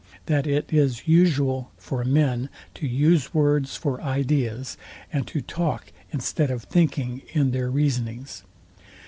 that it is usual for men to use words for ideas, and to talk instead of thinking in their reasonings.